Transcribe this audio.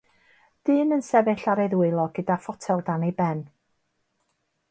Dyn yn sefyll ar ei ddwylo gyda photel dan ei ben